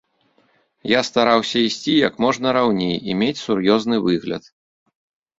Я стараўся ісці як можна раўней і мець сур'ёзны выгляд.